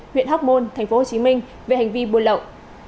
huyện hóc môn tp hcm về hành vi buôn lậu